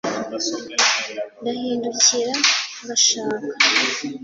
ndahindukira ngashaka